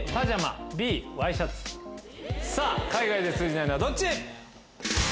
海外で通じないのはどっち？